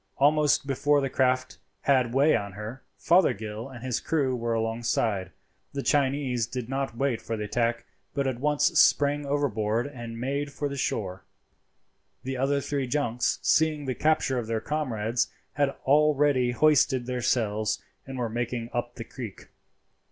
Almost before the craft had way on her, Fothergill and his crew were alongside. The Chinese did not wait for the attack, but at once sprang overboard and made for the shore. The other three junks, seeing the capture of their comrades, had already hoisted their sails, and were making up the creek.